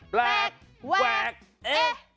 แปลกแหวกเอ๊ะ